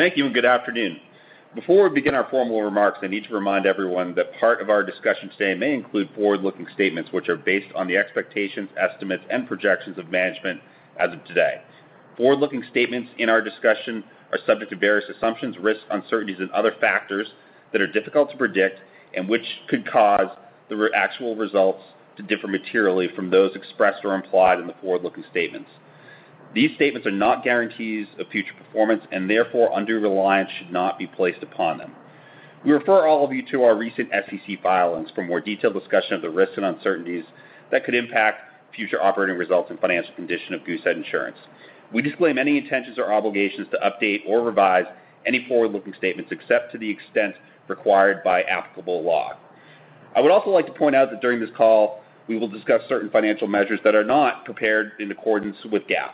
Thank you and good afternoon. Before we begin our formal remarks, I need to remind everyone that part of our discussion today may include forward-looking statements which are based on the expectations, estimates, and projections of management as of today. Forward-looking statements in our discussion are subject to various assumptions, risks, uncertainties, and other factors that are difficult to predict and which could cause actual results to differ materially from those expressed or implied in the forward-looking statements. These statements are not guarantees of future performance and therefore undue reliance should not be placed upon them. We refer all of you to our recent SEC filings for more detailed discussion of the risks and uncertainties that could impact future operating results and financial condition of Goosehead Insurance. We disclaim any intentions or obligations to update or revise any forward-looking statements except to the extent required by applicable law. I would also like to point out that during this call, we will discuss certain financial measures that are not prepared in accordance with GAAP.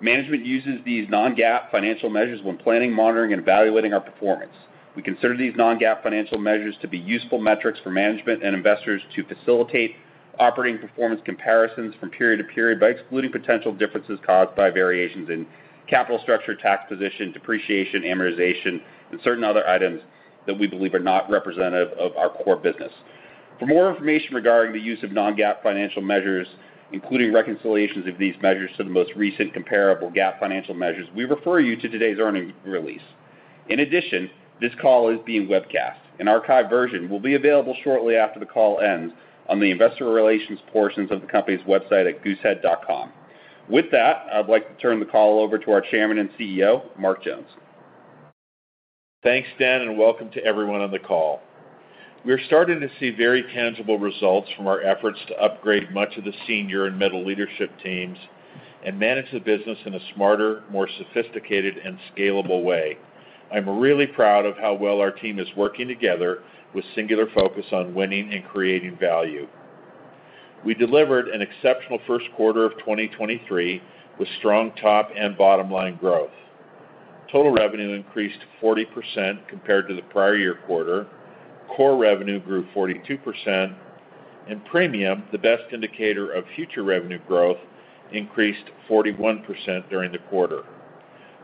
Management uses these non-GAAP financial measures when planning, monitoring, and evaluating our performance. We consider these non-GAAP financial measures to be useful metrics for management and investors to facilitate operating performance comparisons from period to period by excluding potential differences caused by variations in capital structure, tax position, depreciation, amortization, and certain other items that we believe are not representative of our core business. For more information regarding the use of non-GAAP financial measures, including reconciliations of these measures to the most recent comparable GAAP financial measures, we refer you to today's earnings release. In addition, this call is being webcast. An archived version will be available shortly after the call ends on the investor relations portions of the company's website at goosehead.com. With that, I'd like to turn the call over to our Chairman and CEO, Mark Jones. Thanks, Dan, and welcome to everyone on the call. We're starting to see very tangible results from our efforts to upgrade much of the senior and middle leadership teams and manage the business in a smarter, more sophisticated, and scalable way. I'm really proud of how well our team is working together with singular focus on winning and creating value. We delivered an exceptional first quarter of 2023 with strong top and bottom line growth. Total revenue increased 40% compared to the prior year quarter. Core revenue grew 42%, and premium, the best indicator of future revenue growth, increased 41% during the quarter.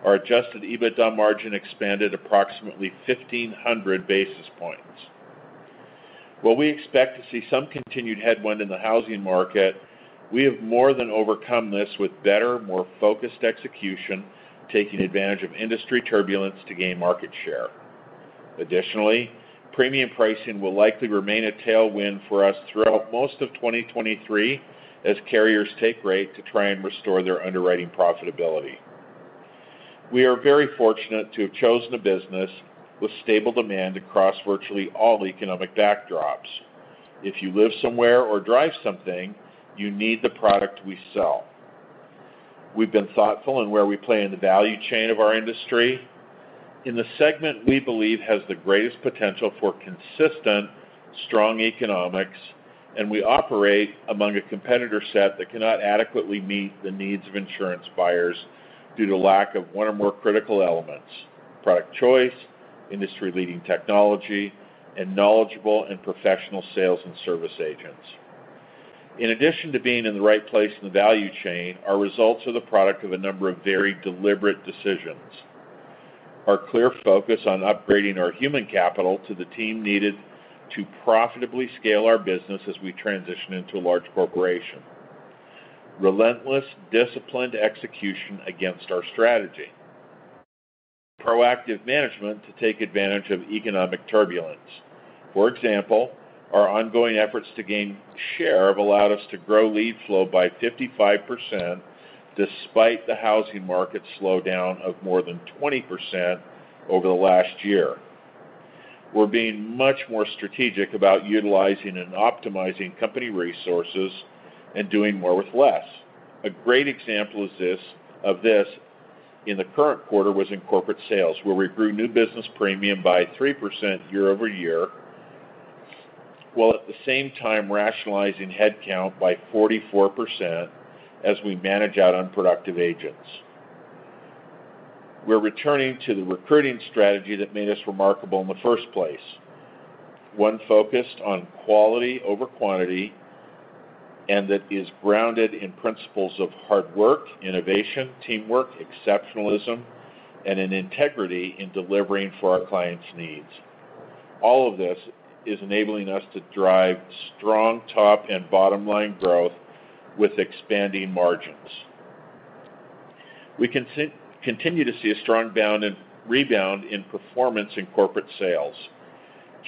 Our adjusted EBITDA margin expanded approximately 1,500 basis points. While we expect to see some continued headwind in the housing market, we have more than overcome this with better, more focused execution, taking advantage of industry turbulence to gain market share. Additionally, premium pricing will likely remain a tailwind for us throughout most of 2023 as carriers take rate to try and restore their underwriting profitability. We are very fortunate to have chosen a business with stable demand across virtually all economic backdrops. If you live somewhere or drive something, you need the product we sell. We've been thoughtful in where we play in the value chain of our industry. In the segment we believe has the greatest potential for consistent, strong economics, and we operate among a competitor set that cannot adequately meet the needs of insurance buyers due to lack of one or more critical elements: product choice, industry-leading technology, and knowledgeable and professional sales and service agents. In addition to being in the right place in the value chain, our results are the product of a number of very deliberate decisions. Our clear focus on upgrading our human capital to the team needed to profitably scale our business as we transition into a large corporation. Relentless, disciplined execution against our strategy. Proactive management to take advantage of economic turbulence. For example, our ongoing efforts to gain share have allowed us to grow lead flow by 55% despite the housing market slowdown of more than 20% over the last year. We're being much more strategic about utilizing and optimizing company resources and doing more with less. A great example of this in the current quarter was in corporate sales, where we grew new business premium by 3% year-over-year, while at the same time rationalizing headcount by 44% as we manage out unproductive agents. We're returning to the recruiting strategy that made us remarkable in the first place. One focused on quality over quantity, and that is grounded in principles of hard work, innovation, teamwork, exceptionalism, and an integrity in delivering for our clients' needs. All of this is enabling us to drive strong top and bottom line growth with expanding margins. We continue to see a strong rebound in performance in corporate sales.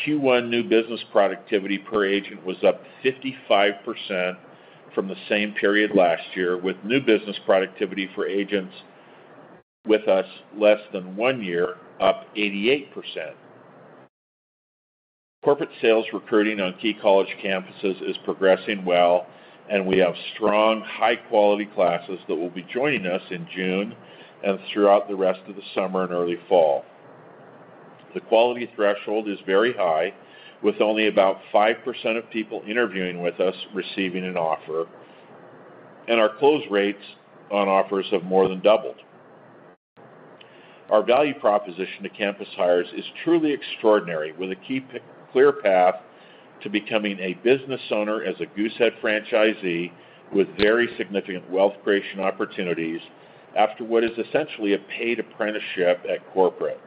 Q1 new business productivity per agent was up 55% from the same period last year, with new business productivity for agents with us less than 1 year up 88%. Corporate sales recruiting on key college campuses is progressing well, and we have strong, high-quality classes that will be joining us in June and throughout the rest of the summer and early fall. The quality threshold is very high, with only about 5% of people interviewing with us receiving an offer. Our close rates on offers have more than doubled. Our value proposition to campus hires is truly extraordinary, with a clear path to becoming a Goosehead franchisee business owner with very significant wealth creation opportunities after what is essentially a paid apprenticeship at corporate.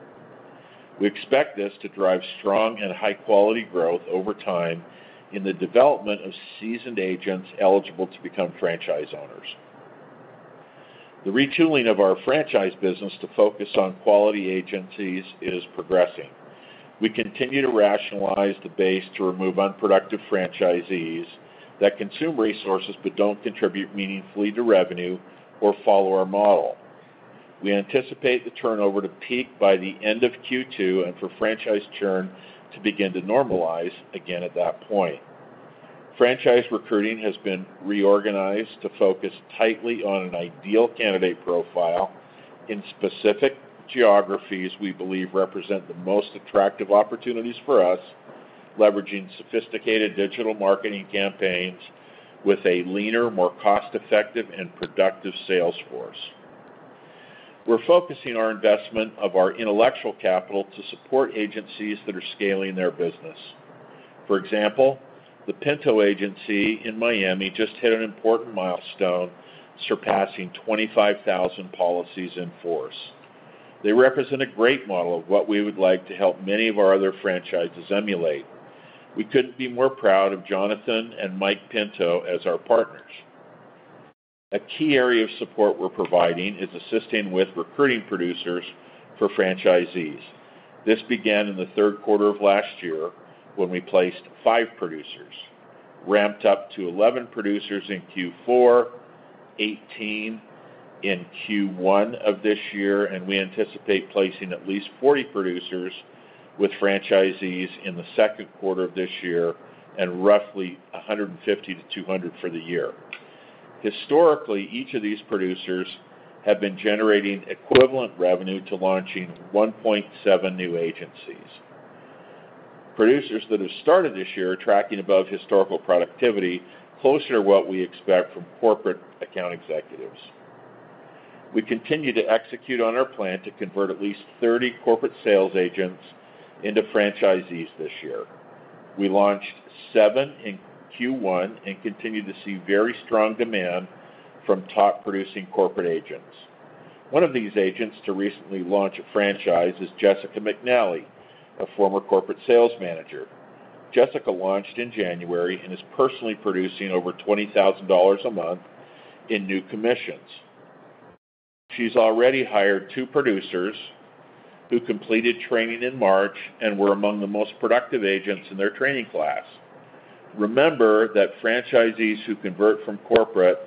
We expect this to drive strong and high quality growth over time in the development of seasoned agents eligible to become franchise owners. The retooling of our franchise business to focus on quality agencies is progressing. We continue to rationalize the base to remove unproductive franchisees that consume resources, but don't contribute meaningfully to revenue or follow our model. We anticipate the turnover to peak by the end of Q2. For franchise churn to begin to normalize again at that point. Franchise recruiting has been reorganized to focus tightly on an ideal candidate profile in specific geographies we believe represent the most attractive opportunities for us, leveraging sophisticated Digital Marketing campaigns with a leaner, more cost-effective, and productive sales force. We're focusing our investment of our intellectual capital to support agencies that are scaling their business. For example, the Pinto Agency in Miami just hit an important milestone, surpassing 25,000 policies in force. They represent a great model of what we would like to help many of our other franchises emulate. We couldn't be more proud of Jonathan and Mike Pinto as our partners. A key area of support we're providing is assisting with recruiting producers for franchisees. This began in the third quarter of last year when we placed 5 producers, ramped up to 11 producers in Q4, 18 in Q1 of this year. We anticipate placing at least 40 producers with franchisees in the second quarter of this year and roughly 150-200 for the year. Historically, each of these producers have been generating equivalent revenue to launching 1.7 new agencies. Producers that have started this year are tracking above historical productivity, closer to what we expect from corporate account executives. We continue to execute on our plan to convert at least 30 corporate sales agents into franchisees this year. We launched seven in Q1 and continue to see very strong demand from top producing corporate agents. One of these agents to recently launch a franchise is Jessica McNally, a former Corporate Sales Manager. Jessica launched in January and is personally producing over $20,000 a month in new commissions. She's already hired two producers who completed training in March and were among the most productive agents in their training class. Remember that franchisees who convert from corporate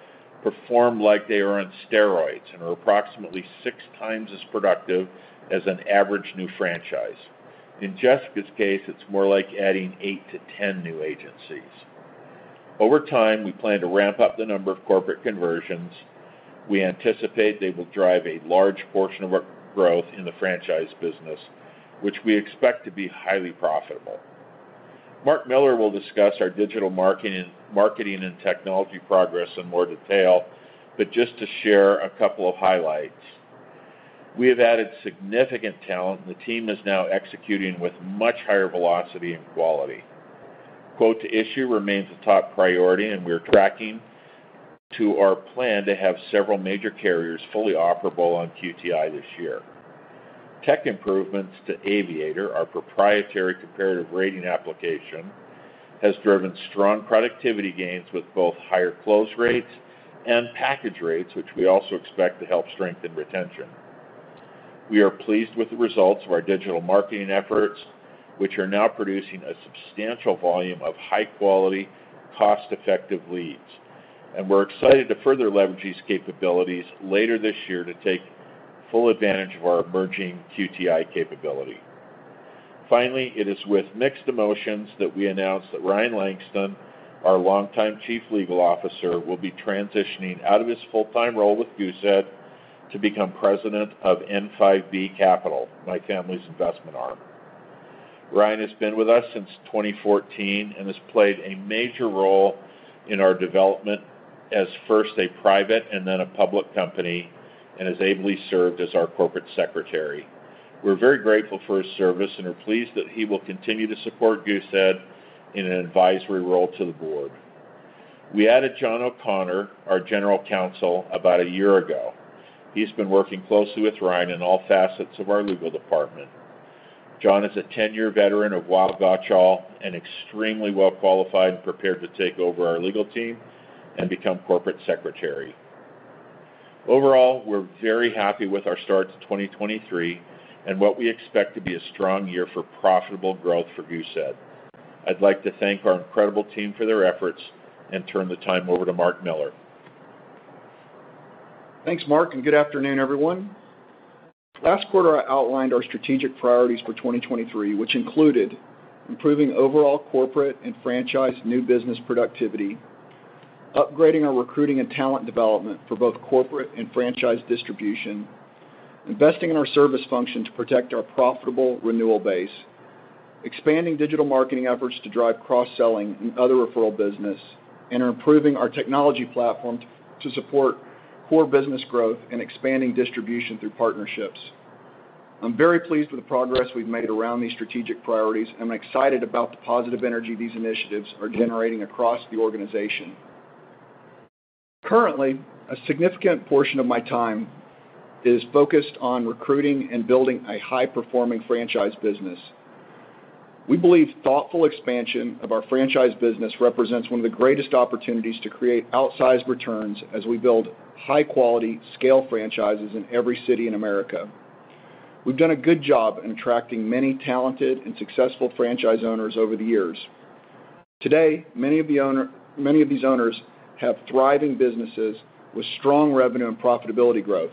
perform like they are on steroids and are approximately 6x as productive as an average new franchise. In Jessica's case, it's more like adding 8-10 new agencies. Over time, we plan to ramp up the number of corporate conversions. We anticipate they will drive a large portion of our growth in the franchise business, which we expect to be highly profitable. Mark Miller will discuss our Digital Marketing and Technology progress in more detail, just to share a couple of highlights. We have added significant talent, the team is now executing with much higher velocity and quality. Quote-to-issue remains a top priority. We're tracking to our plan to have several major carriers fully operable on QTI this year. Tech improvements to Aviator, our proprietary comparative rating application, has driven strong productivity gains with both higher close rates and package rates, which we also expect to help strengthen retention. We are pleased with the results of our Digital Marketing efforts, which are now producing a substantial volume of high quality, cost-effective leads. We're excited to further leverage these capabilities later this year to take full advantage of our emerging QTI capability. Finally, it is with mixed emotions that we announce that Ryan Langston, our longtime Chief Legal Officer, will be transitioning out of his full-time role with Goosehead to become President of N5B Capital, my family's investment arm. Ryan has been with us since 2014 and has played a major role in our development as first a private and then a public company, and has ably served as our Corporate Secretary. We're very grateful for his service and are pleased that he will continue to support Goosehead Insurance in an advisory role to the board. We added John O'Connor, our General Counsel, about a year ago. He's been working closely with Ryan in all facets of our legal department. John is a 10-year veteran of Weil, Gotshal and extremely well qualified and prepared to take over our legal team and become Corporate Secretary. Overall, we're very happy with our start to 2023 and what we expect to be a strong year for profitable growth for Goosehead Insurance. I'd like to thank our incredible team for their efforts and turn the time over to Mark Miller. Thanks, Mark. Good afternoon, everyone. Last quarter, I outlined our strategic priorities for 2023, which included improving overall corporate and franchise new business productivity, upgrading our recruiting and talent development for both corporate and franchise distribution, investing in our service function to protect our profitable renewal base, expanding Digital Marketing efforts to drive cross-selling and other referral business, and improving our Technology platform to support core business growth and expanding distribution through partnerships. I'm very pleased with the progress we've made around these strategic priorities, and I'm excited about the positive energy these initiatives are generating across the organization. Currently, a significant portion of my time is focused on recruiting and building a high-performing franchise business. We believe thoughtful expansion of our Franchise business represents one of the greatest opportunities to create outsized returns as we build high-quality scale franchises in every city in America. We've done a good job in attracting many talented and successful franchise owners over the years. Today, many of these owners have thriving businesses with strong revenue and profitability growth.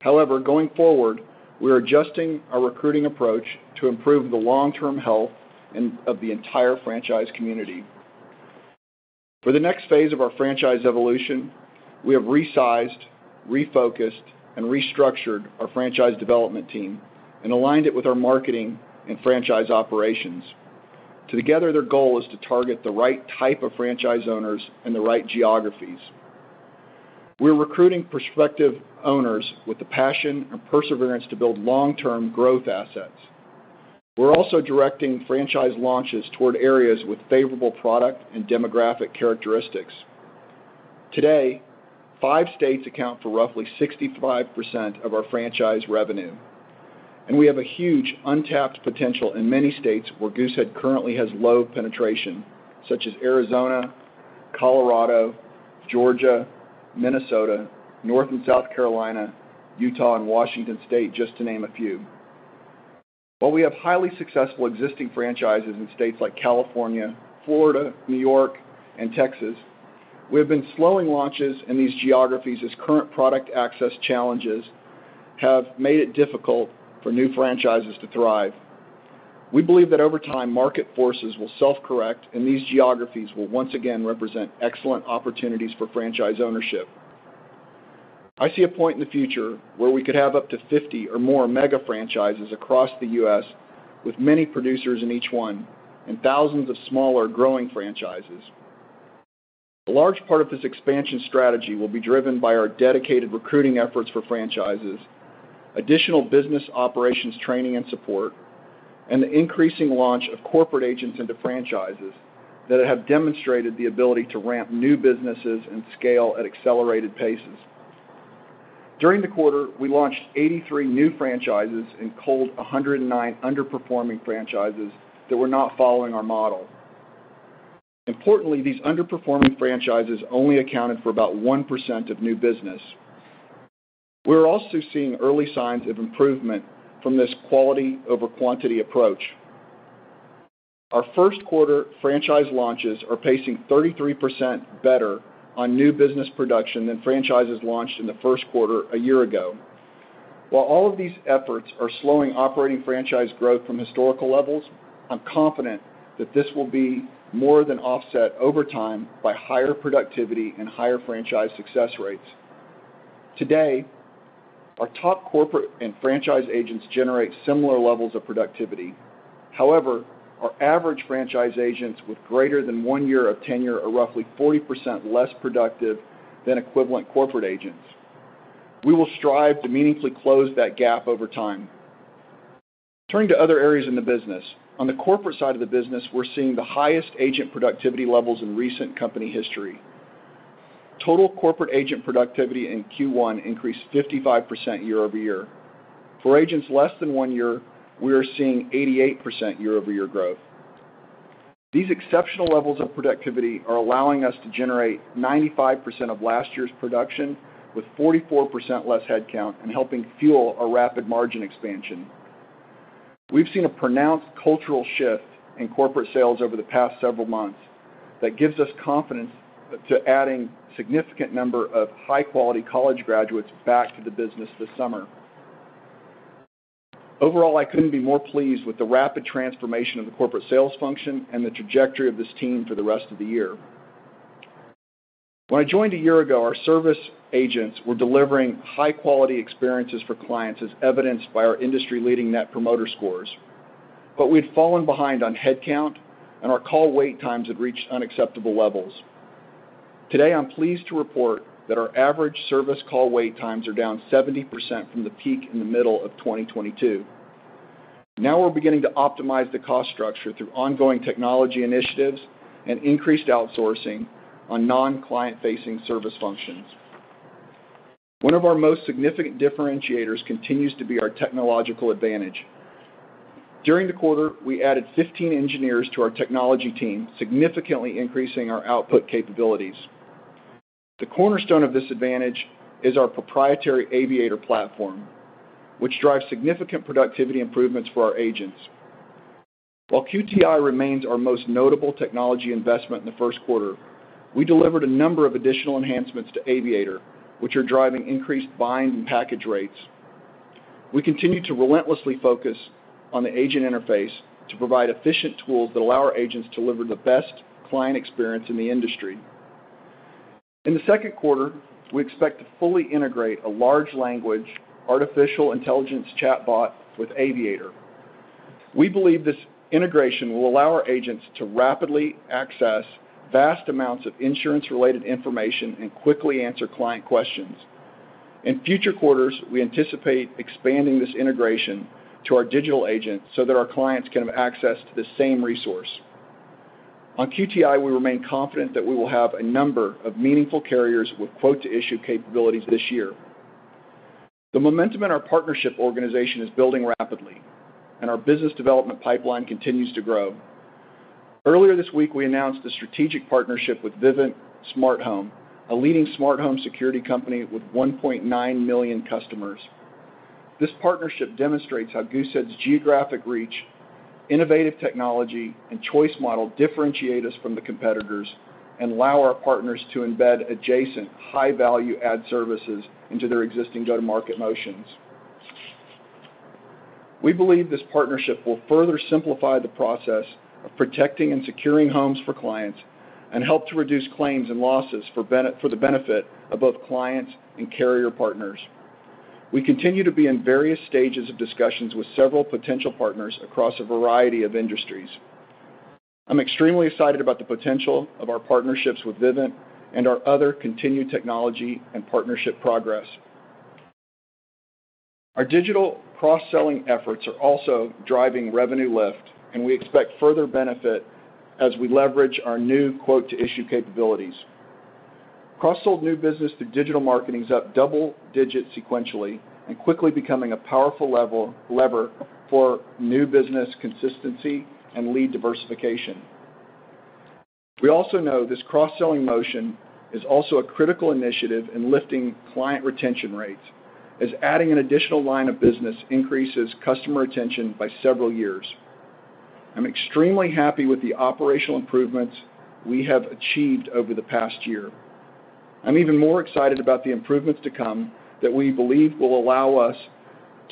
However, going forward, we're adjusting our recruiting approach to improve the long-term health and of the entire franchise community. For the next phase of our Franchise Evolution, we have resized, refocused, and restructured our Franchise development team and aligned it with our Marketing and Franchise Operations. Together, their goal is to target the right type of franchise owners in the right geographies. We're recruiting prospective owners with the passion and perseverance to build long-term growth assets. We're also directing franchise launches toward areas with favorable product and demographic characteristics. Today, five states account for roughly 65% of our Franchise revenue, and we have a huge untapped potential in many states where Goosehead currently has low penetration, such as Arizona, Colorado, Georgia, Minnesota, North and South Carolina, Utah, and Washington State, just to name a few. While we have highly successful existing franchises in states like California, Florida, New York, and Texas, we have been slowing launches in these geographies as current product access challenges have made it difficult for new franchises to thrive. We believe that over time, market forces will self-correct, and these geographies will once again represent excellent opportunities for franchise ownership. I see a point in the future where we could have up to 50 or more mega franchises across the U.S., with many producers in each one and thousands of smaller growing franchises. A large part of this expansion strategy will be driven by our dedicated recruiting efforts for franchises, additional business operations training and support, and the increasing launch of corporate agents into franchises that have demonstrated the ability to ramp new businesses and scale at accelerated paces. During the quarter, we launched 83 new franchises and culled 109 underperforming franchises that were not following our model. Importantly, these underperforming franchises only accounted for about 1% of new business. We're also seeing early signs of improvement from this quality over quantity approach. Our first quarter franchise launches are pacing 33% better on new business production than franchises launched in the first quarter a year ago. While all of these efforts are slowing operating franchise growth from historical levels, I'm confident that this will be more than offset over time by higher productivity and higher franchise success rates. Today, our top corporate and franchise agents generate similar levels of productivity. However, our average franchise agents with greater than 1 year of tenure are roughly 40% less productive than equivalent corporate agents. We will strive to meaningfully close that gap over time. Turning to other areas in the business. On the Corporate side of the business, we're seeing the highest agent productivity levels in recent company history. Total Corporate agent productivity in Q1 increased 55% year-over-year. For agents less than one year, we are seeing 88% year-over-year growth. These exceptional levels of productivity are allowing us to generate 95% of last year's production with 44% less headcount and helping fuel a rapid margin expansion. We've seen a pronounced cultural shift in Corporate sales over the past several months that gives us confidence to adding significant number of high-quality college graduates back to the business this summer. Overall, I couldn't be more pleased with the rapid transformation of the corporate sales function and the trajectory of this team for the rest of the year. When I joined a year ago, our service agents were delivering high-quality experiences for clients, as evidenced by our industry-leading Net Promoter Scores. We'd fallen behind on headcount, and our call wait times had reached unacceptable levels. Today, I'm pleased to report that our average service call wait times are down 70% from the peak in the middle of 2022. Now we're beginning to optimize the cost structure through ongoing technology initiatives and increased outsourcing on non-client-facing service functions. One of our most significant differentiators continues to be our technological advantage. During the quarter, we added 15 engineers to our Technology team, significantly increasing our output capabilities. The cornerstone of this advantage is our proprietary Aviator platform, which drives significant productivity improvements for our agents. While QTI remains our most notable technology investment in the first quarter, we delivered a number of additional enhancements to Aviator, which are driving increased bind and package rates. We continue to relentlessly focus on the agent interface to provide efficient tools that allow our agents to deliver the best client experience in the industry. In the second quarter, we expect to fully integrate a large language artificial intelligence chatbot with Aviator. We believe this integration will allow our agents to rapidly access vast amounts of insurance related information and quickly answer client questions. In future quarters, we anticipate expanding this integration to our Digital agents so that our clients can have access to the same resource. On QTI, we remain confident that we will have a number of meaningful carriers with quote to issue capabilities this year. The momentum in our partnership organization is building rapidly, and our business development pipeline continues to grow. Earlier this week, we announced a strategic partnership with Vivint Smart Home, a leading smart home security company with 1.9 million customers. This partnership demonstrates how Goosehead's geographic reach, innovative technology, and choice model differentiate us from the competitors and allow our partners to embed adjacent high value ad services into their existing go-to-market motions. We believe this partnership will further simplify the process of protecting and securing homes for clients and help to reduce claims and losses for the benefit of both clients and carrier partners. We continue to be in various stages of discussions with several potential partners across a variety of industries. I'm extremely excited about the potential of our partnerships with Vivint and our other continued technology and partnership progress. Our Digital cross-selling efforts are also driving revenue lift. We expect further benefit as we leverage our new quote to issue capabilities. Cross-sold new business to Digital Marketing is up double-digits sequentially and quickly becoming a powerful lever for new business consistency and lead diversification. We also know this cross-selling motion is also a critical initiative in lifting client retention rates as adding an additional line of business increases customer retention by several years. I'm extremely happy with the operational improvements we have achieved over the past year. I'm even more excited about the improvements to come that we believe will allow us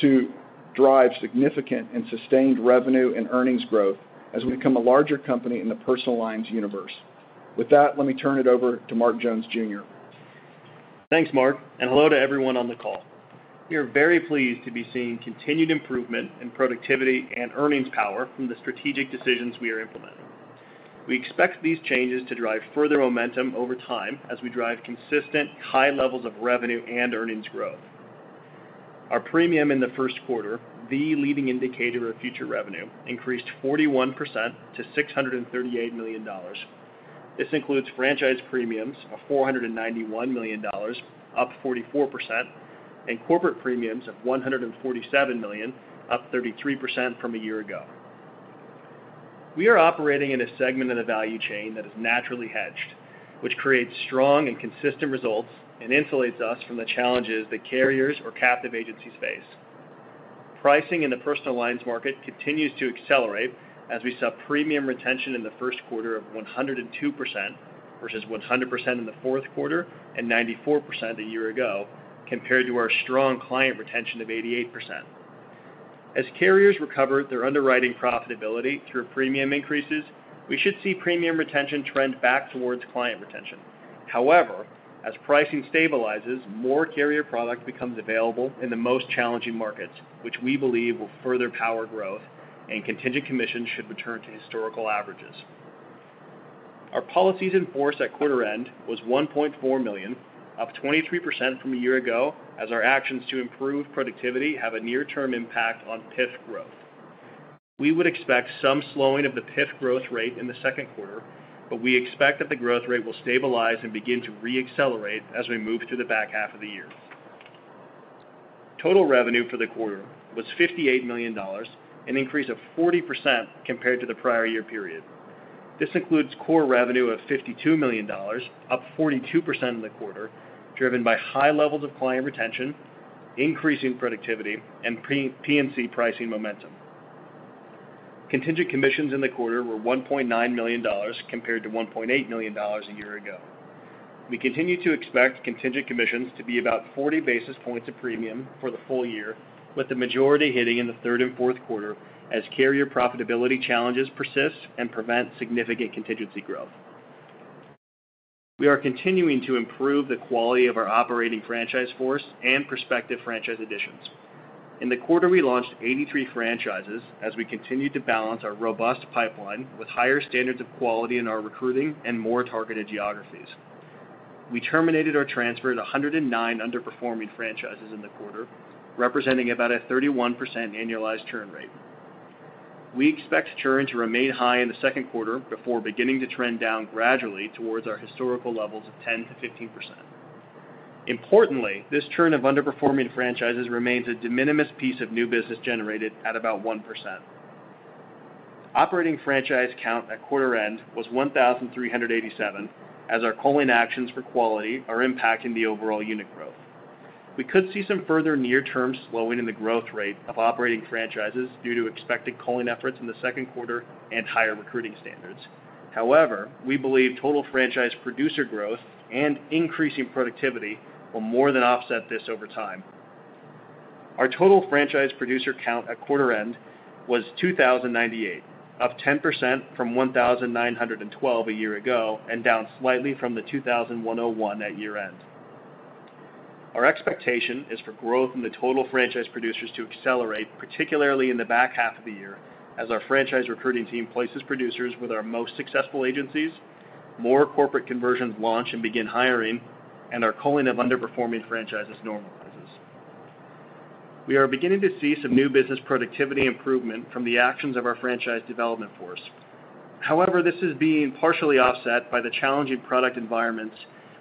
to drive significant and sustained revenue and earnings growth as we become a larger company in the personal lines universe. With that, let me turn it over to Mark Jones Jr. Thanks, Mark. Hello to everyone on the call. We are very pleased to be seeing continued improvement in productivity and earnings power from the strategic decisions we are implementing. We expect these changes to drive further momentum over time as we drive consistent high levels of revenue and earnings growth. Our premium in the first quarter, the leading indicator of future revenue, increased 41% to $638 million. This includes franchise premiums of $491 million, up 44%, and corporate premiums of $147 million, up 33% from a year ago. We are operating in a segment of the value chain that is naturally hedged, which creates strong and consistent results and insulates us from the challenges that carriers or captive agencies face. Pricing in the personal lines market continues to accelerate as we saw premium retention in the first quarter of 102% versus 100% in the fourth quarter and 94% a year ago, compared to our strong client retention of 88%. As carriers recover their underwriting profitability through premium increases, we should see premium retention trend back towards client retention. As pricing stabilizes, more carrier product becomes available in the most challenging markets, which we believe will further power growth and contingent commissions should return to historical averages. Our policies in force at quarter end was $1.4 million, up 23% from a year ago as our actions to improve productivity have a near term impact on PIF growth. We would expect some slowing of the PIF growth rate in the second quarter, but we expect that the growth rate will stabilize and begin to re-accelerate as we move to the back half of the year. Total revenue for the quarter was $58 million, an increase of 40% compared to the prior-year period. This includes core revenue of $52 million, up 42% in the quarter, driven by high levels of client retention, increasing productivity, and P&C pricing momentum. Contingent commissions in the quarter were $1.9 million compared to $1.8 million a year ago. We continue to expect contingent commissions to be about 40 basis points a premium for the full-year, with the majority hitting in the third and fourth quarter as carrier profitability challenges persist and prevent significant contingency growth. We are continuing to improve the quality of our operating franchise force and prospective franchise additions. In the quarter, we launched 83 franchises as we continued to balance our robust pipeline with higher standards of quality in our recruiting and more targeted geographies. We terminated or transferred 109 underperforming franchises in the quarter, representing about a 31% annualized churn rate. We expect churn to remain high in the second quarter before beginning to trend down gradually towards our historical levels of 10%-15%. Importantly, this churn of underperforming franchises remains a de minimis piece of new business generated at about 1%. Operating franchise count at quarter end was 1,387, as our culling actions for quality are impacting the overall unit growth. We could see some further near term slowing in the growth rate of operating franchises due to expected culling efforts in the second quarter and higher recruiting standards. However, we believe total franchise producer growth and increasing productivity will more than offset this over time. Our total franchise producer count at quarter-end was 2,098, up 10% from 1,912 a year ago and down slightly from the 2,101 at year-end. Our expectation is for growth in the total franchise producers to accelerate, particularly in the back half of the year, as our franchise recruiting team places producers with our most successful agencies, more corporate conversions launch and begin hiring, and our culling of underperforming franchises normalizes. We are beginning to see some new business productivity improvement from the actions of our franchise development force. This is being partially offset by the challenging product environments,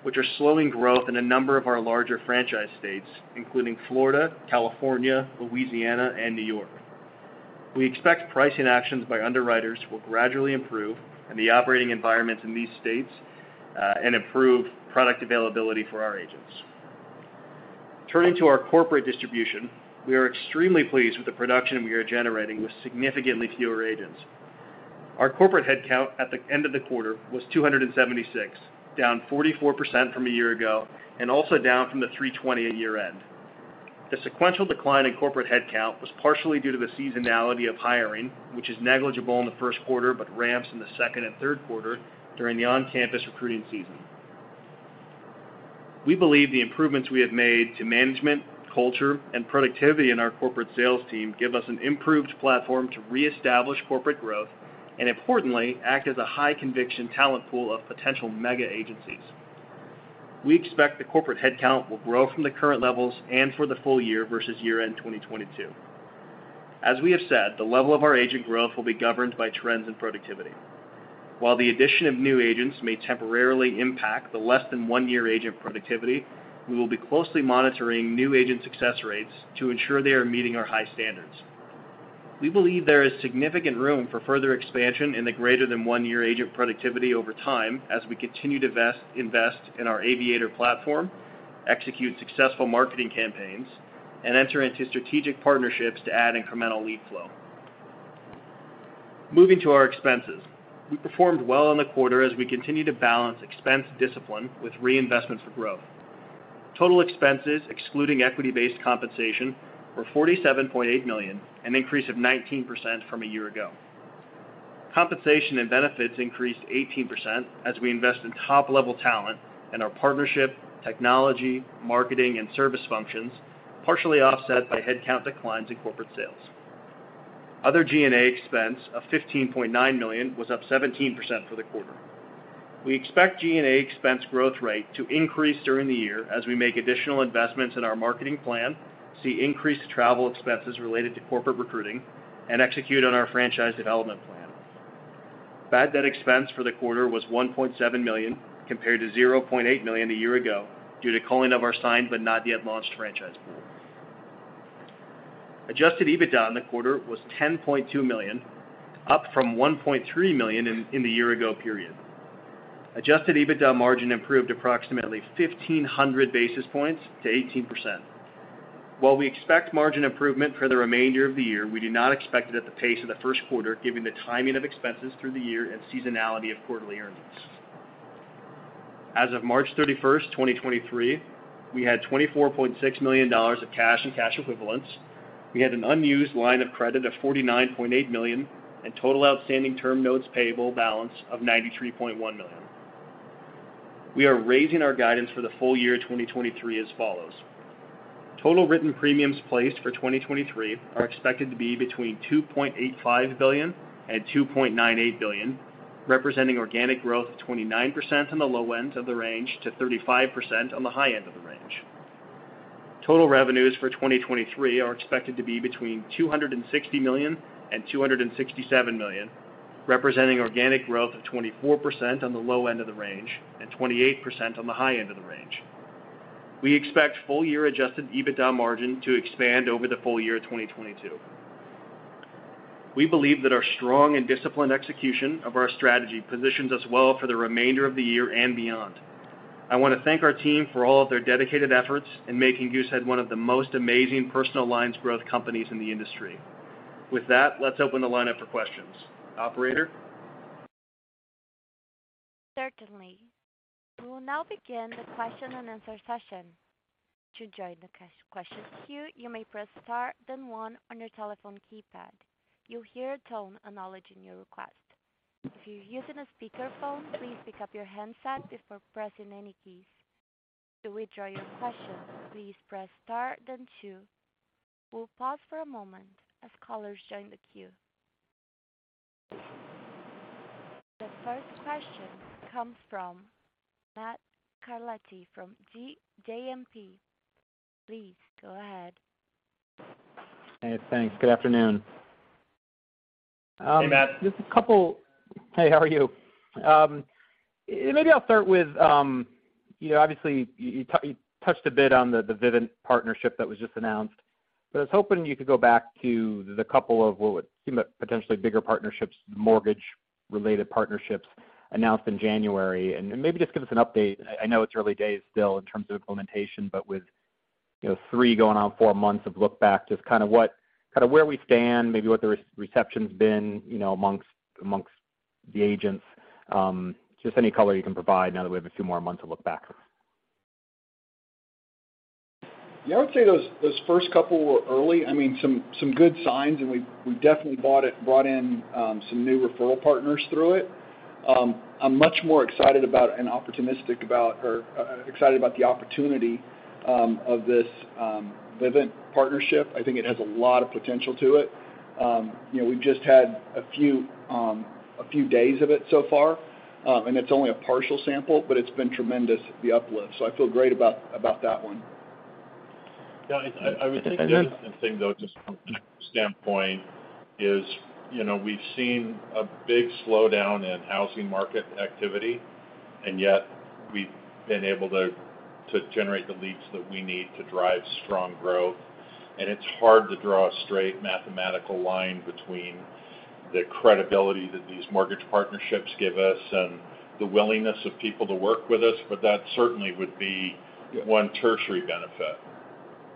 which are slowing growth in a number of our larger franchise states, including Florida, California, Louisiana, and New York. We expect pricing actions by underwriters will gradually improve in the operating environments in these states and improve product availability for our agents. Turning to our Corporate Distribution, we are extremely pleased with the production we are generating with significantly fewer agents. Our Corporate headcount at the end of the quarter was 276, down 44% from a year-ago and also down from the 320 at year-end. The sequential decline in corporate headcount was partially due to the seasonality of hiring, which is negligible in the first quarter but ramps in the second and third quarter during the on-campus recruiting season. We believe the improvements we have made to management, culture, and productivity in our Corporate sales team give us an improved platform to reestablish corporate growth and importantly, act as a high conviction talent pool of potential mega agencies. We expect the corporate headcount will grow from the current levels and for the full-year versus year-end 2022. As we have said, the level of our agent growth will be governed by trends and productivity. While the addition of new agents may temporarily impact the less than 1-year agent productivity, we will be closely monitoring new agent success rates to ensure they are meeting our high standards. We believe there is significant room for further expansion in the greater than 1-year agent productivity over time as we continue to invest in our Aviator platform, execute successful marketing campaigns, and enter into strategic partnerships to add incremental lead flow. Moving to our expenses. We performed well in the quarter as we continue to balance expense discipline with reinvestment for growth. Total expenses excluding equity-based compensation were $47.8 million, an increase of 19% from a year ago. Compensation and benefits increased 18% as we invest in top-level talent in our partnership, technology, marketing and service functions, partially offset by headcount declines in corporate sales. Other G&A expense of $15.9 million was up 17% for the quarter. We expect G&A expense growth rate to increase during the year as we make additional investments in our Marketing plan, see increased travel expenses related to Corporate recruiting, and execute on our franchise development plan. Bad debt expense for the quarter was $1.7 million, compared to $0.8 million a year ago, due to culling of our signed but not yet launched franchise pool. Adjusted EBITDA in the quarter was $10.2 million, up from $1.3 million in the year ago period. Adjusted EBITDA margin improved approximately 1,500 basis points to 18%. While we expect margin improvement for the remainder of the year, we do not expect it at the pace of the first quarter, given the timing of expenses through the year and seasonality of quarterly earnings. As of March 31st, 2023, we had $24.6 million of cash and cash equivalents. We had an unused line of credit of $49.8 million and total outstanding term notes payable balance of $93.1 million. We are raising our guidance for the full-year 2023 as follows: Total written premiums placed for 2023 are expected to be between $2.85 billion and $2.98 billion, representing organic growth of 29% on the low end of the range to 35% on the high end of the range. Total revenues for 2023 are expected to be between $260 million and $267 million, representing organic growth of 24% on the low end of the range and 28% on the high end of the range. We expect full-year adjusted EBITDA margin to expand over the full year 2022. We believe that our strong and disciplined execution of our strategy positions us well for the remainder of the year and beyond. I want to thank our team for all of their dedicated efforts in making Goosehead one of the most amazing personal lines growth companies in the industry. With that, let's open the line up for questions. Operator? Certainly. We will now begin the question-and-answer session. To join the questions queue, you may press Star then one on your telephone keypad. You'll hear a tone acknowledging your request. If you're using a speakerphone, please pick up your handset before pressing any keys. To withdraw your question, please press Star then two. We'll pause for a moment as callers join the queue. The first question comes from Matt Carletti from JMP. Please go ahead. Hey, thanks. Good afternoon. Hey, Matt. Just a couple. Hey, how are you? Maybe I'll start with, you know, obviously you touched a bit on the Vivint partnership that was just announced. I was hoping you could go back to the couple of what would seem potentially bigger partnerships, mortgage related partnerships announced in January, and maybe just give us an update. I know it's early days still in terms of implementation, but with, you know, three going on four months of look back, just kind of where we stand, maybe what the reception's been, you know, amongst the agents, just any color you can provide now that we have a few more months of look back. Yeah, I would say those first couple were early. I mean, some good signs, and we definitely brought in, some new referral partners through i I'm much more excited about and opportunistic about the opportunity of this Vivint partnership. I think it has a lot of potential to it. you know, we've just had a few a few days of it so far, and it's only a partial sample, but it's been tremendous, the uplift. I feel great about that one. Yeah. I would think the other thing though, just from a standpoint is, you know, we've seen a big slowdown in housing market activity, and yet we've been able to generate the leads that we need to drive strong growth. It's hard to draw a straight mathematical line between the credibility that these mortgage partnerships give us and the willingness of people to work with us, but that certainly would be one tertiary benefit.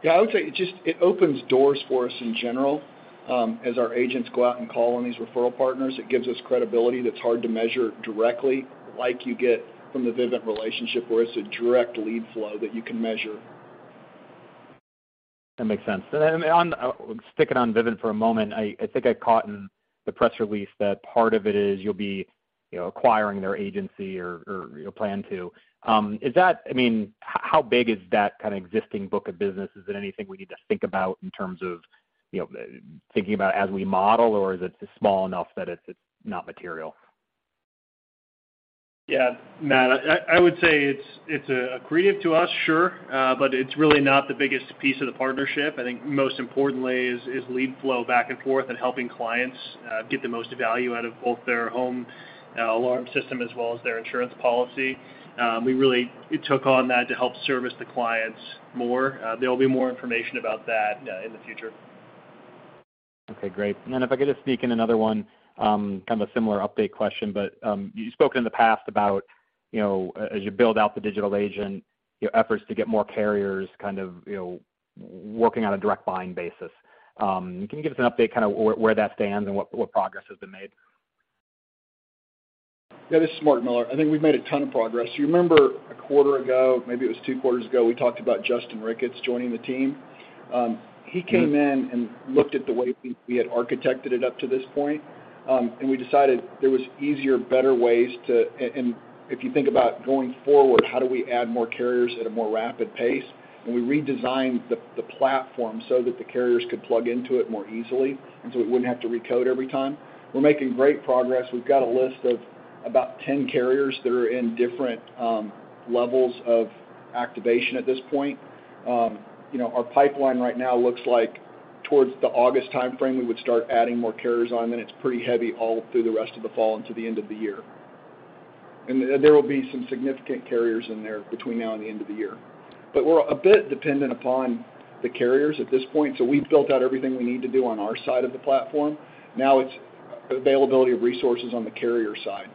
Yeah, I would say it opens doors for us in general. As our agents go out and call on these referral partners, it gives us credibility that's hard to measure directly, like you get from the Vivint relationship, where it's a direct lead flow that you can measure. That makes sense. On sticking on Vivint for a moment, I think I caught in the press release that part of it is you'll be, you know, acquiring their agency or you plan to. Is that, I mean, how big is that kind of existing book of business? Is it anything we need to think about in terms of, you know, thinking about as we model, or is it small enough that it's not material? Matt, I would say it's accretive to us, sure. It's really not the biggest piece of the partnership. I think most importantly is lead flow back and forth and helping clients get the most value out of both their home alarm system as well as their insurance policy. We really we took on that to help service the clients more. There will be more information about that in the future. Okay, great. Then if I could just sneak in another one, kind of a similar update question, but you spoke in the past about, you know, as you build out the Digital Agent, your efforts to get more carriers kind of, you know, working on a direct buying basis. Can you give us an update kind of where that stands and what progress has been made? Yeah, this is Mark Miller. I think we've made a ton of progress. You remember a quarter ago, maybe it was two quarters ago, we talked about Justin Ricketts joining the team. He came in and looked at the way we had architected it up to this point, and we decided there was easier, better ways to and if you think about going forward, how do we add more carriers at a more rapid pace? We redesigned the platform so that the carriers could plug into it more easily, and so we wouldn't have to recode every time. We're making great progress. We've got a list of about 10 carriers that are in different levels of activation at this point. you know, our pipeline right now looks like towards the August timeframe, we would start adding more carriers on, and it's pretty heavy all through the rest of the fall into the end of the year. There will be some significant carriers in there between now and the end of the year. We're a bit dependent upon the carriers at this point. We've built out everything we need to do on our side of the platform. Now it's availability of resources on the carrier side.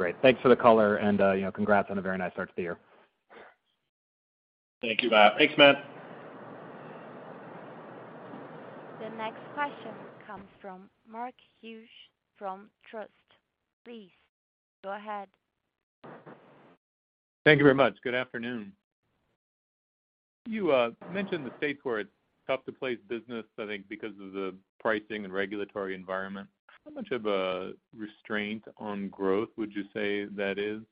Great. Thanks for the color and, you know, congrats on a very nice start to the year. Thank you, Matt. Thanks, Matt. The next question comes from Mark Hughes from Truist. Please go ahead. Thank you very much. Good afternoon. You mentioned the states where it's tough to place business, I think because of the pricing and regulatory environment. How much of a restraint on growth would you say that is?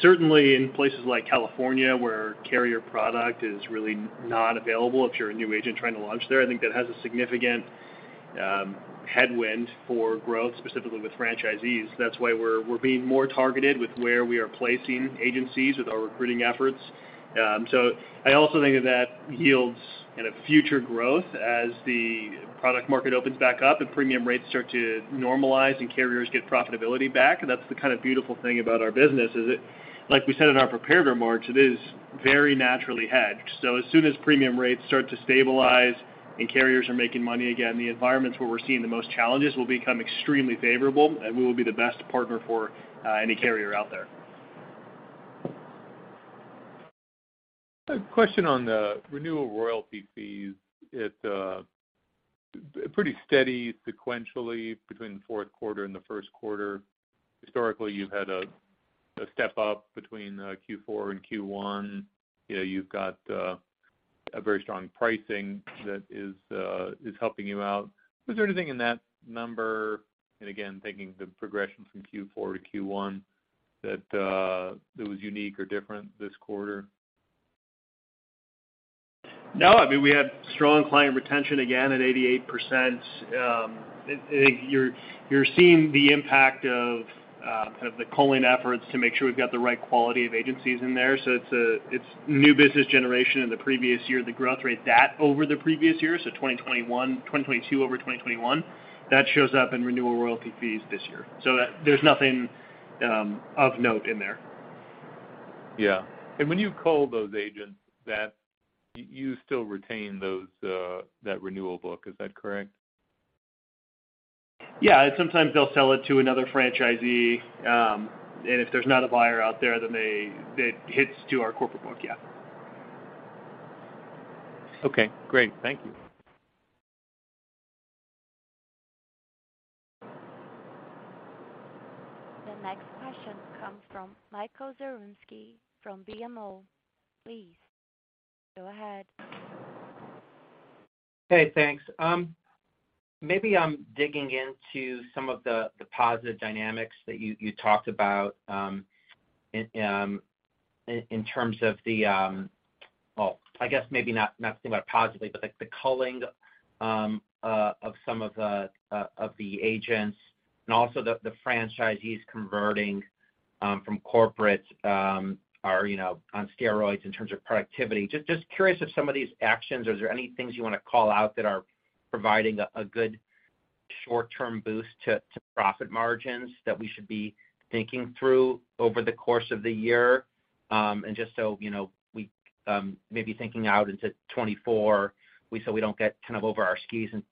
Certainly in places like California, where carrier product is really not available if you're a new agent trying to launch there, I think that has a significant headwind for growth, specifically with franchisees. That's why we're being more targeted with where we are placing agencies with our recruiting efforts. I also think that that yields kind of future growth as the product market opens back up and premium rates start to normalize and carriers get profitability back. That's the kind of beautiful thing about our business is it, like we said in our prepared remarks, it is very naturally hedged. As soon as premium rates start to stabilize and carriers are making money again, the environments where we're seeing the most challenges will become extremely favorable, and we will be the best partner for any carrier out there. A question on the renewal royalty fees. It pretty steady sequentially between the fourth quarter and the first quarter. Historically, you've had a step up between Q4 and Q1. You know, you've got a very strong pricing that is helping you out. Was there anything in that number, and again, thinking the progression from Q4 to Q1, that was unique or different this quarter? No. I mean, we had strong client retention again at 88%. I think you're seeing the impact of the culling efforts to make sure we've got the right quality of agencies in there. It's new business generation in the previous year, the growth rate that over the previous year, 2022 over 2021, that shows up in renewal royalty fees this year. There's nothing of note in there. Yeah. When you cull those agents, you still retain those, that renewal book. Is that correct? Yeah. Sometimes they'll sell it to another franchisee. If there's not a buyer out there, that hits to our corporate book. Yeah. Okay, great. Thank you. The next question comes from Michael Zaremski from BMO. Please go ahead. Hey, thanks. Maybe I'm digging into some of the positive dynamics that you talked about. Well, I guess maybe not thinking about positively, but, like, the culling of some of the agents and also the franchisees converting from corporate, are, you know, on steroids in terms of productivity. Just curious if some of these actions, is there any things you wanna call out that are providing a good short-term boost to profit margins that we should be thinking through over the course of the year? Just so, you know, we, maybe thinking out into 2024, we so we don't get kind of over our skis in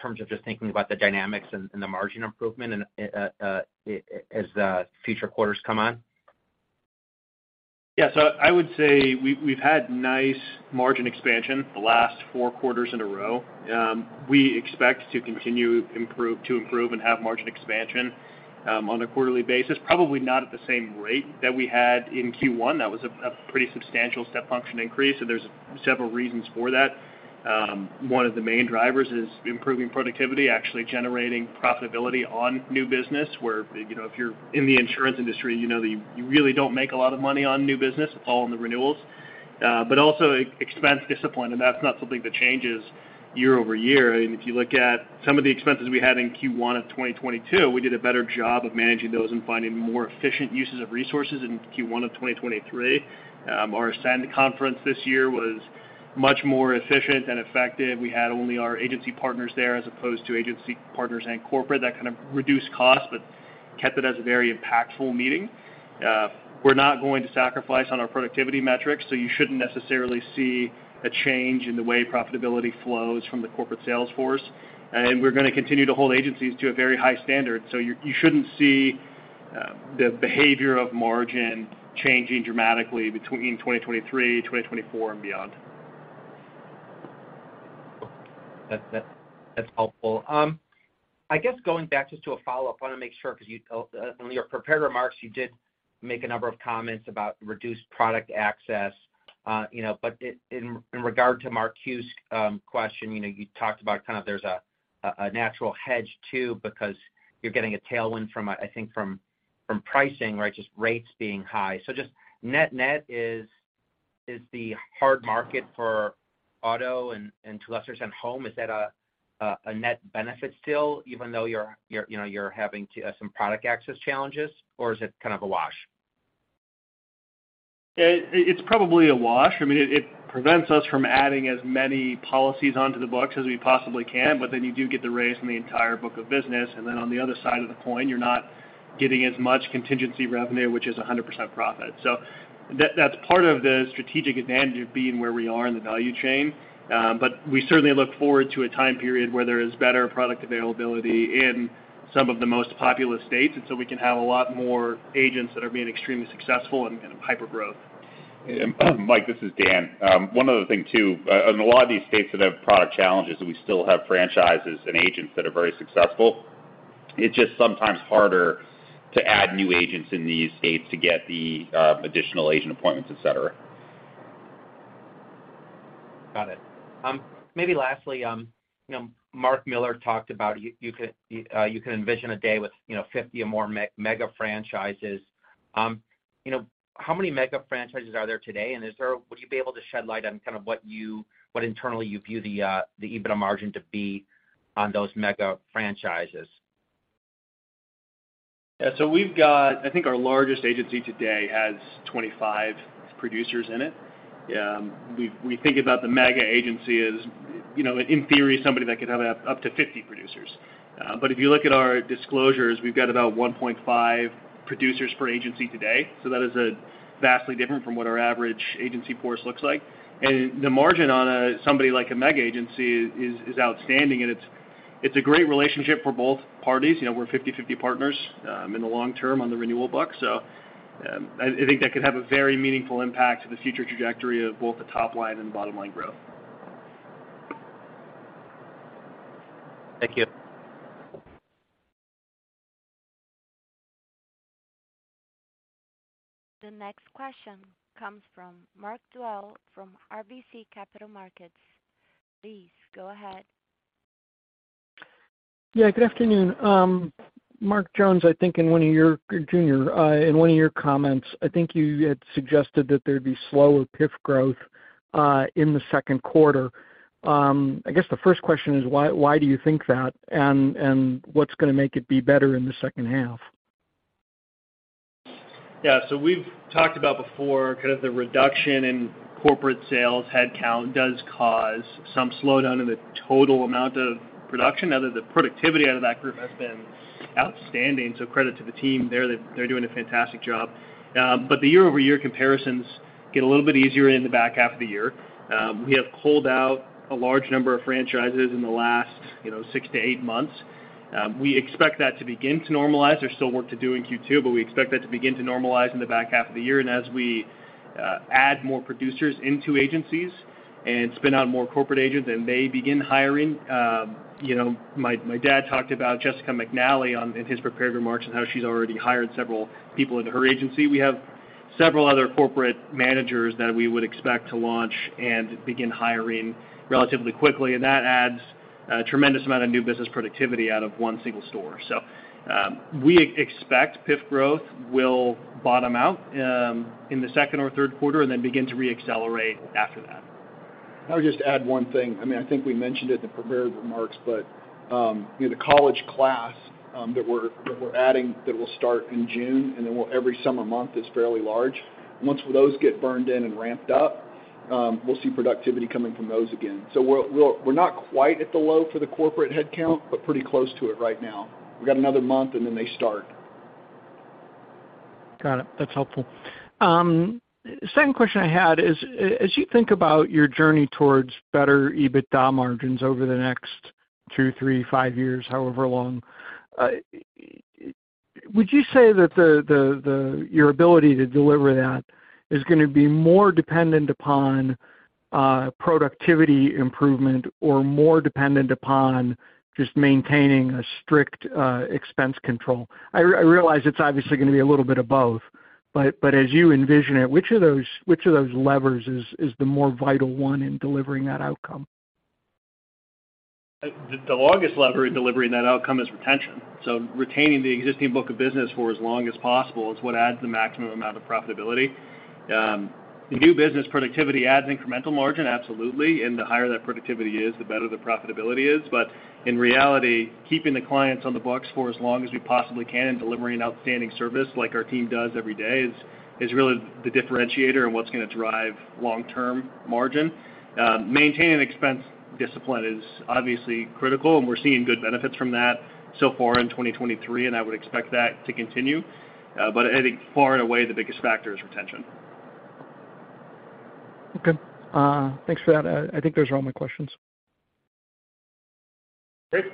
terms of just thinking about the dynamics and the margin improvement, as the future quarters come on. I would say we've had nice margin expansion the last four quarters in a row. We expect to continue to improve and have margin expansion on a quarterly basis, probably not at the same rate that we had in Q1. That was a pretty substantial step function increase. There's several reasons for that. One of the main drivers is improving productivity, actually generating profitability on new business where, you know, if you're in the insurance industry, you know that you really don't make a lot of money on new business, all on the renewals. But also expense discipline, and that's not something that changes year-over-year. If you look at some of the expenses we had in Q1 of 2022, we did a better job of managing those and finding more efficient uses of resources in Q1 of 2023. Our Ascend conference this year was much more efficient and effective. We had only our agency partners there as opposed to agency partners and corporate. That kind of reduced cost, but kept it as a very impactful meeting. We're not going to sacrifice on our productivity metrics, so you shouldn't necessarily see a change in the way profitability flows from the corporate sales force. We're gonna continue to hold agencies to a very high standard. You shouldn't see the behavior of margin changing dramatically between 2023, 2024 and beyond. That's helpful. I guess going back just to a follow-up, I wanna make sure 'cause on your prepared remarks, you did make a number of comments about reduced product access. you know, but in regard to Mark Dwelle's question, you know, you talked about kind of there's a natural hedge too because you're getting a tailwind from, I think, from pricing, right? Just rates being high. Just net-net is the hard market for auto and to a lesser extent, home, is that a net benefit still even though you know, you're having some product access challenges, or is it kind of a wash? It's probably a wash. I mean, it prevents us from adding as many policies onto the books as we possibly can, you do get the raise in the entire book of business. On the other side of the coin, you're not getting as much contingency revenue, which is 100% profit. That's part of the strategic advantage of being where we are in the value chain. We certainly look forward to a time period where there is better product availability in some of the most populous states, we can have a lot more agents that are being extremely successful and in hypergrowth. Mike, this is Dan. One other thing too, in a lot of these states that have product challenges, we still have franchises and agents that are very successful. It's just sometimes harder to add new agents in these states to get the additional agent appointments, et cetera. Gotit. maybe lastly, you know, Mark Miller talked about you could, you can envision a day with, you know, 50 or more mega franchises. you know, how many mega franchises are there today, and would you be able to shed light on kind of what internally you view the EBITDA margin to be on those mega franchises? We've got I think our largest agency today has 25 producers in it. We think about the mega agency as, you know, in theory, somebody that could have up to 50 producers. If you look at our disclosures, we've got about 1.5 producers per agency today, so that is vastly different from what our average agency force looks like. The margin on somebody like a mega agency is outstanding, and it's a great relationship for both parties. You know, we're 50/50 partners in the long-term on the renewal book. I think that could have a very meaningful impact to the future trajectory of both the top line and the bottom line growth. Thank you. The next question comes from Mark Dwelle from RBC Capital Markets. Please go ahead. Good afternoon. Mark Jones Jr., I think in one of your comments, I think you had suggested that there'd be slower PIF growth in the second quarter. I guess the first question is why do you think that? What's gonna make it be better in the second half? We've talked about before kind of the reduction in corporate sales headcount does cause some slowdown in the total amount of production. Now that the productivity out of that group has been outstanding, so credit to the team there that they're doing a fantastic job. The year-over-year comparisons get a little bit easier in the back half of the year. We have pulled out a large number of franchises in the last, you know, six to eight months. We expect that to begin to normalize. There's still work to do in Q2, but we expect that to begin to normalize in the back half of the year. As we add more producers into agencies. Spin out more corporate agents and they begin hiring. you know, my dad talked about Jessica McNally in his prepared remarks and how she's already hired several people into her agency. We have several other corporate managers that we would expect to launch and begin hiring relatively quickly, and that adds a tremendous amount of new business productivity out of one single store. We expect PIF growth will bottom out in the second or third quarter and then begin to reaccelerate after that. I would just add one thing. I mean, I think we mentioned it in the prepared remarks, but, you know, the college class, that we're adding that will start in June, and then every summer month is fairly large. Once those get burned in and ramped up, we'll see productivity coming from those again. We're not quite at the low for the corporate headcount, but pretty close to it right now. We've got another month, and then they start. Got it. That's helpful. Second question I had is, as you think about your journey towards better EBITDA margins over the next two, three, five years, however long, would you say that your ability to deliver that is gonna be more dependent upon productivity improvement or more dependent upon just maintaining a strict expense control? I realize it's obviously gonna be a little bit of both, but as you envision it, which of those levers is the more vital one in delivering that outcome? The longest lever in delivering that outcome is retention. Retaining the existing book of business for as long as possible is what adds the maximum amount of profitability. The new business productivity adds incremental margin, absolutely. The higher that productivity is, the better the profitability is. In reality, keeping the clients on the books for as long as we possibly can and delivering outstanding service like our team does every day is really the differentiator and what's gonna drive long-term margin. Maintaining expense discipline is obviously critical, and we're seeing good benefits from that so far in 2023, and I would expect that to continue. I think far and away, the biggest factor is retention. Okay. thanks for that. I think those are all my questions. Great.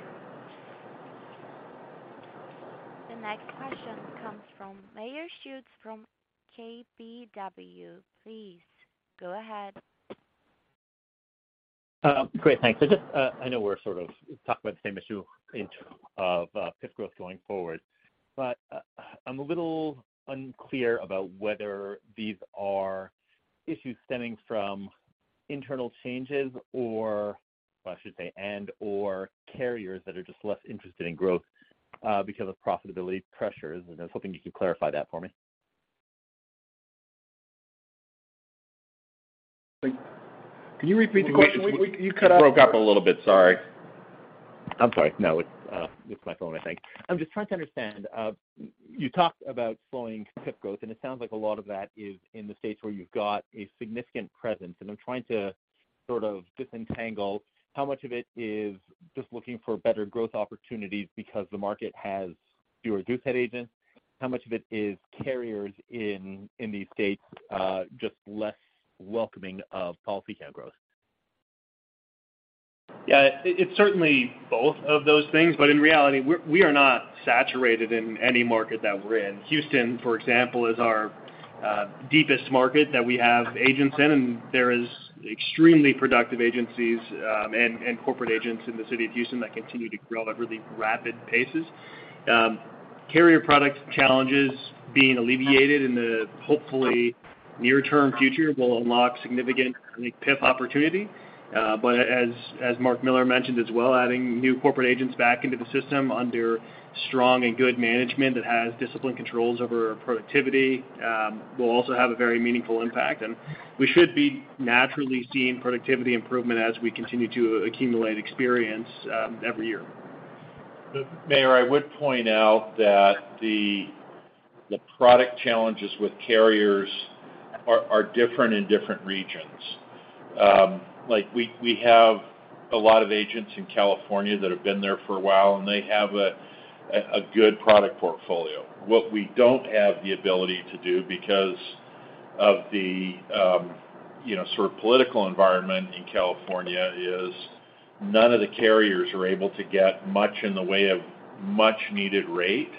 The next question comes from Meyer Shields from KBW. Please go ahead. Great. Thanks. I know we're sort of talking about the same issue in terms of PIF growth going forward, but I'm a little unclear about whether these are issues stemming from internal changes or, I should say, and/or carriers that are just less interested in growth because of profitability pressures. I was hoping you could clarify that for me. Can you repeat the question? You cut out. You broke up a little bit, sorry. I'm sorry. No, it's my phone, I think. I'm just trying to understand. You talked about slowing PIF growth, and it sounds like a lot of that is in the states where you've got a significant presence. I'm trying to sort of disentangle how much of it is just looking for better growth opportunities because the market has fewer Goosehead agents, how much of it is carriers in these states, just less welcoming of policy count growth? Yeah. It's certainly both of those things, but in reality, we are not saturated in any market that we're in. Houston, for example, is our deepest market that we have agents in, and there is extremely productive agencies and corporate agents in the city of Houston that continue to grow at really rapid paces. Carrier product challenges being alleviated in the hopefully near-term future will unlock significant PIF opportunity. As Mark Miller mentioned as well, adding new corporate agents back into the system under strong and good management that has discipline controls over productivity, will also have a very meaningful impact. We should be naturally seeing productivity improvement as we continue to accumulate experience every year. Meyer Shields, I would point out that the product challenges with carriers are different in different regions. Like we have a lot of agents in California that have been there for a while, they have a good product portfolio. What we don't have the ability to do because of the, you know, sort of political environment in California is none of the carriers are able to get much in the way of much needed rate.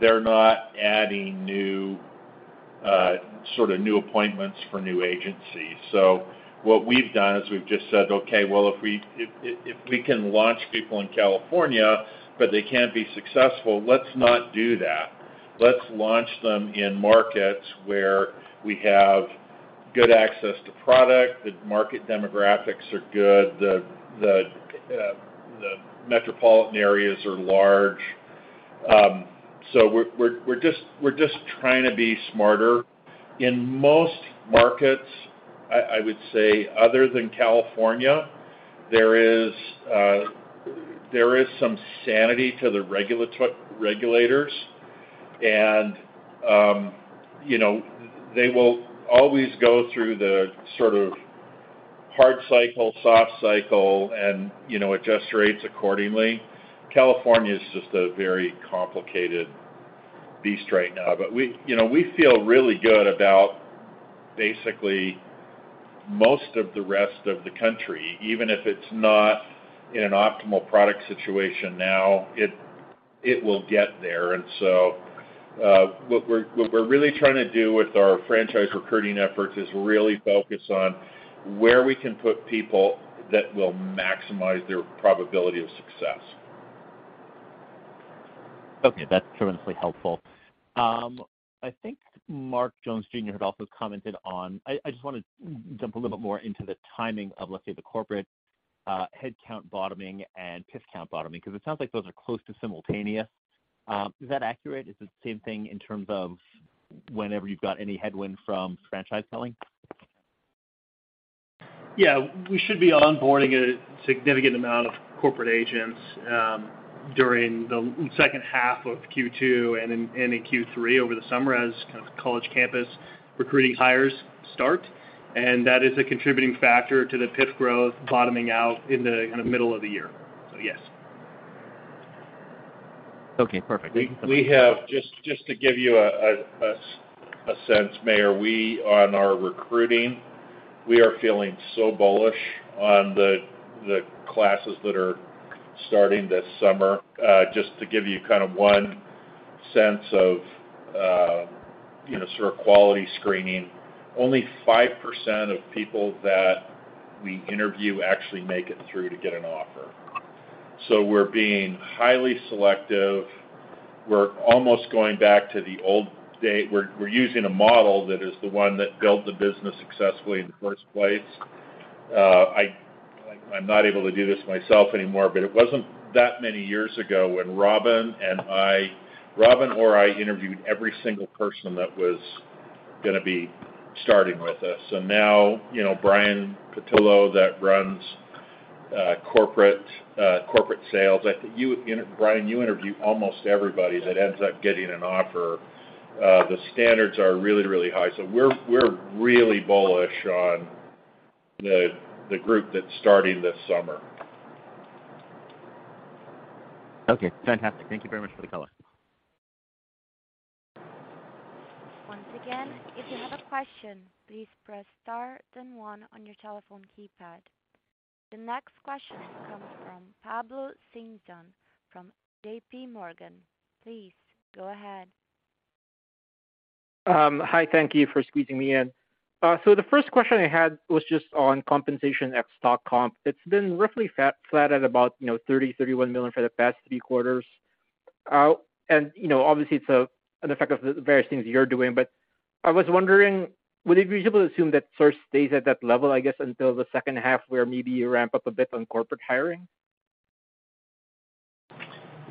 They're not adding new, sort of new appointments for new agencies. What we've done is we've just said, Okay, well, if we can launch people in California, but they can't be successful, let's not do that. Let's launch them in markets where we have good access to product, the market demographics are good, the metropolitan areas are large. So we're just trying to be smarter. In most markets, I would say other than California, there is some sanity to the regulators and, you know, they will always go through the sort of hard cycle, soft cycle and, you know, adjust rates accordingly. California is just a very complicated beast right now. We, you know, we feel really good about basically most of the rest of the country. Even if it's not in an optimal product situation now, It will get there. What we're really trying to do with our franchise recruiting efforts is really focus on where we can put people that will maximize their probability of success. Okay, that's tremendously helpful. I think Mark Jones Jr. had also commented on... I just wanna jump a little bit more into the timing of, let's say, the corporate headcount bottoming and PIF count bottoming, 'cause it sounds like those are close to simultaneous. Is that accurate? Is it the same thing in terms of whenever you've got any headwind from franchise selling? Yeah. We should be onboarding a significant amount of corporate agents, during the second half of Q2 and in Q3 over the summer as kind of college campus recruiting hires start. That is a contributing factor to the PIF growth bottoming out in the middle of the year. Yes. Okay, perfect. We Just to give you a sense, Meyer, we on our recruiting, we are feeling so bullish on the classes that are starting this summer. Just to give you kind of one sense of, you know, sort of quality screening, only 5% of people that we interview actually make it through to get an offer. We're being highly selective. We're almost going back to the old date. We're using a model that is the one that built the business successfully in the first place. I'm not able to do this myself anymore, but it wasn't that many years ago when Robin or I interviewed every single person that was gonna be starting with us. Now, you know, Brian Pattillo, that runs corporate Corporate Sales. I think you Brian, you interview almost everybody that ends up getting an offer. The standards are really, really high. We're, we're really bullish on the group that's starting this summer. Okay, fantastic. Thank you very much for the color. Once again, if you have a question, please press star then one on your telephone keypad. The next question comes from Pablo Singzon from JPMorgan. Please go ahead. Hi. Thank you for squeezing me in. The first question I had was just on compensation at stock comp. It's been roughly flat at about, you know, $30 million-$31 million for the past three quarters. You know, obviously it's a, an effect of the various things you're doing. I was wondering, would it be reasonable to assume that sort of stays at that level, I guess, until the second half, where maybe you ramp up a bit on corporate hiring?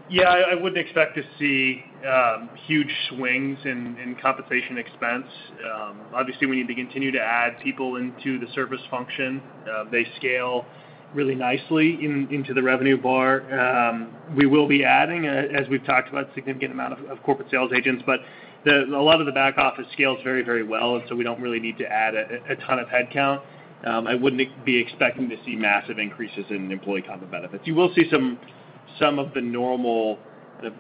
Yeah. I wouldn't expect to see huge swings in compensation expense. Obviously, we need to continue to add people into the service function. They scale really nicely into the revenue bar. We will be adding, as we've talked about, significant amount of corporate sales agents. A lot of the back office scales very well, we don't really need to add a ton of headcount. I wouldn't be expecting to see massive increases in employee comp and benefits. You will see some of the normal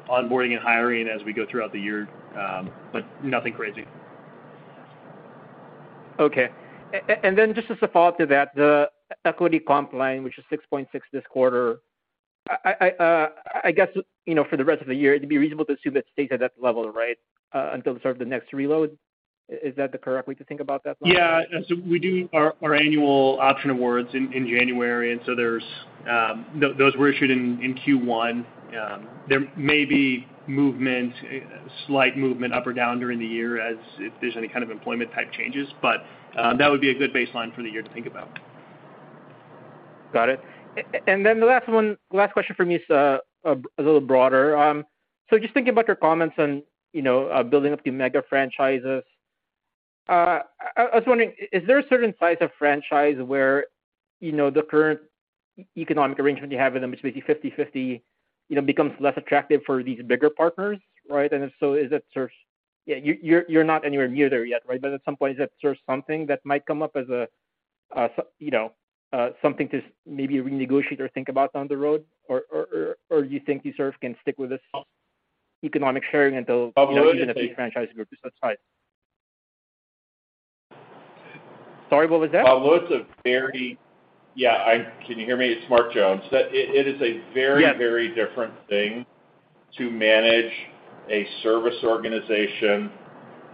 onboarding and hiring as we go throughout the year, nothing crazy. Okay. Then just as a follow-up to that, the equity comp line, which is $6.6 this quarter, I guess, you know, for the rest of the year, it'd be reasonable to assume that stays at that level, right, until sort of the next reload. Is that the correct way to think about that line? Yeah. We do our annual option awards in January, and so those were issued in Q1. There may be movement, slight movement up or down during the year as if there's any kind of employment type changes, but that would be a good baseline for the year to think about. Got it. Then the last one, last question for me is a little broader. Just thinking about your comments on, you know, building up the mega franchises, I was wondering, is there a certain size of franchise where, you know, the current economic arrangement you have in them, which may be 50/50, you know, becomes less attractive for these bigger partners, right? If so, is it sort of... Yeah, you're not anywhere near there yet, right? But at some point, is that sort of something that might come up as a, you know, something to maybe renegotiate or think about down the road? You think you sort of can stick with this economic sharing until- Pablo, it's a-. franchise group is that size? Sorry, what was that? Pablo, it's a very. Yeah, Can you hear me? It's Mark Jones. It is a very. Yes. very different thing to manage a service organization,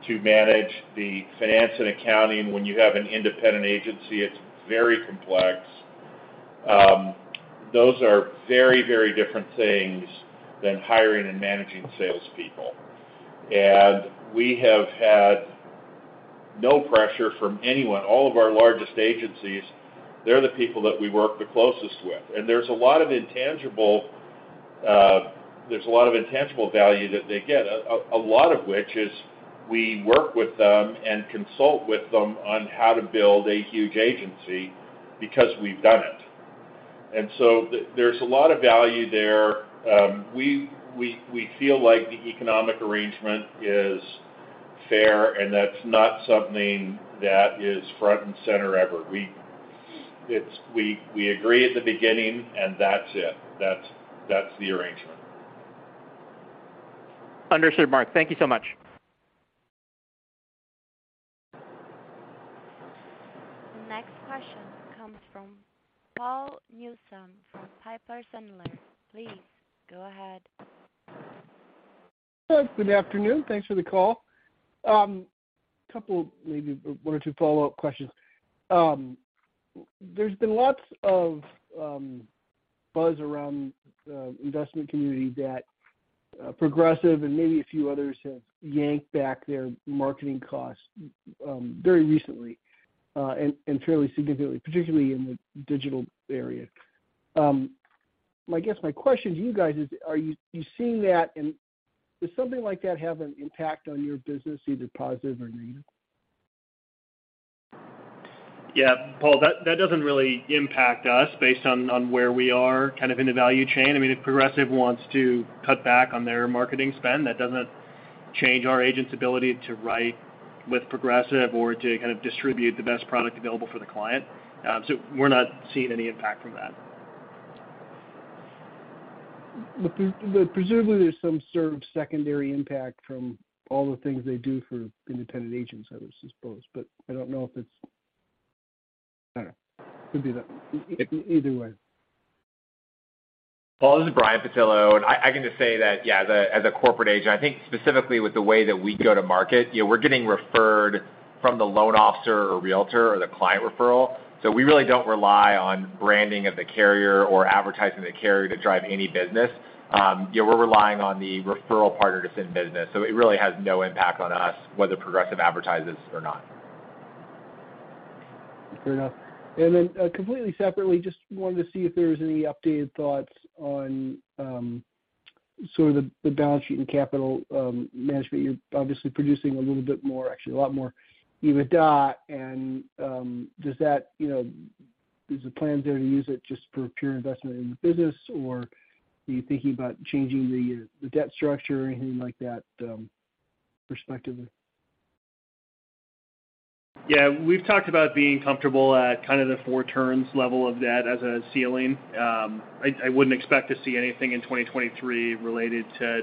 to manage the finance and accounting when you have an independent agency. It's very complex. Those are very different things than hiring and managing salespeople. We have had no pressure from anyone. All of our largest agencies, they're the people that we work the closest with. There's a lot of intangible, there's a lot of intangible value that they get, a lot of which is we work with them and consult with them on how to build a huge agency because we've done it. There's a lot of value there. We feel like the economic arrangement is fair, and that's not something that is front and center ever. It's we agree at the beginning, and that's it. That's the arrangement. Understood, Mark. Thank you so much. Question comes from Paul Newsome from Piper Sandler. Please go ahead. Good afternoon. Thanks for the call. Couple maybe one or two follow-up questions. There's been lots of buzz around the investment community that Progressive and maybe a few others have yanked back their marketing costs very recently and fairly significantly, particularly in the Digital area. I guess my question to you guys is, are you seeing that? Does something like that have an impact on your business, either positive or negative? Yeah, Paul, that doesn't really impact us based on where we are kind of in the value chain. I mean, if Progressive wants to cut back on their marketing spend, that doesn't change our agent's ability to write with Progressive or to kind of distribute the best product available for the client. We're not seeing any impact from that. Presumably, there's some sort of secondary impact from all the things they do for independent agents, I would suppose, but I don't know if it's. All right. Could be that. Either way. Paul, this is Brian Pattillo, and I can just say that, yeah, as a corporate agent, I think specifically with the way that we go to market, yeah, we're getting referred from the loan officer or realtor or the client referral. We really don't rely on branding of the carrier or advertising the carrier to drive any business. Yeah, we're relying on the referral partner to send business, it really has no impact on us whether Progressive advertises or not. Fair enough. Then, completely separately, just wanted to see if there's any updated thoughts on sort of the balance sheet and capital management. You're obviously producing a little bit more, actually a lot more EBITDA. Does that, you know, is the plan there to use it just for pure investment in the business, or are you thinking about changing the debt structure or anything like that, perspective? We've talked about being comfortable at kind of the four turns level of debt as a ceiling. I wouldn't expect to see anything in 2023 related to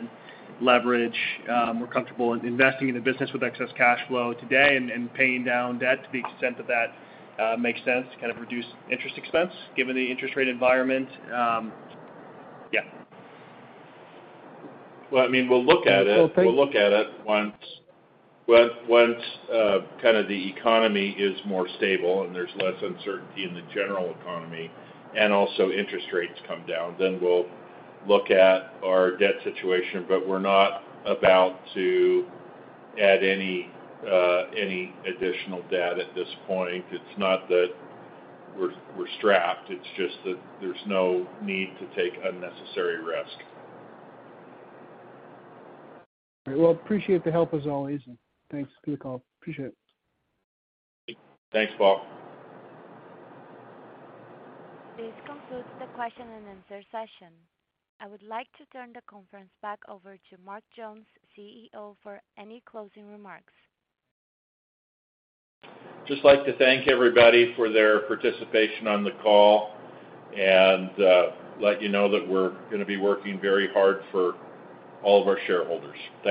leverage. We're comfortable in investing in the business with excess cash flow today and paying down debt to the extent that that makes sense, kind of reduce interest expense given the interest rate environment. Well, I mean, we'll look at it. We'll look at it once, kind of the economy is more stable and there's less uncertainty in the general economy, and also interest rates come down, then we'll look at our debt situation. We're not about to add any additional debt at this point. It's not that we're strapped, it's just that there's no need to take unnecessary risk. Well, appreciate the help as always. Thanks. Good call. Appreciate it. Thanks, Paul. This concludes the question-and-answer session. I would like to turn the conference back over to Mark Jones, CEO, for any closing remarks. Just like to thank everybody for their participation on the call and let you know that we're gonna be working very hard for all of our shareholders. Thanks.